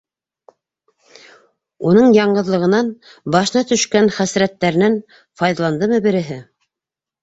Уның яңғыҙлығынан, башына төшкән хәсрәттәренән файҙаландымы береһе?